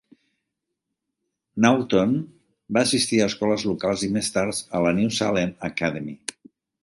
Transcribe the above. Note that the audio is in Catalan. Knowlton va assistir a escoles locals i més tard a la New Salem Academy.